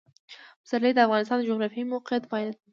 پسرلی د افغانستان د جغرافیایي موقیعت پایله ده.